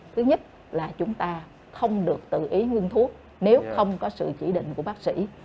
thứ nhất là chúng ta không được tự ý ngưng thuốc nếu không có sự chỉ định của bác sĩ